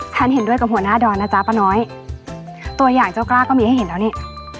ฉันเห็นด้วยกับหัวหน้าดอนนะจ๊ะป้าน้อยตัวอย่างเจ้ากล้าก็มีให้เห็นแล้วนี่